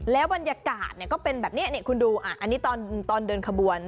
แล้วบรรยากาศก็เป็นแบบนี้คุณดูอันนี้ตอนเดินขบวน